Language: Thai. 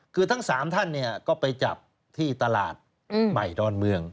คือทั้ง๓ท่านก็ไปจับที่ตลาดใหม่ดอนเมือง